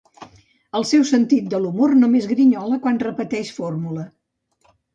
El seu sentit de l'humor només grinyola quan repeteix fórmula.